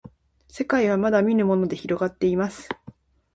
せかいはまだみぬものでひろがっています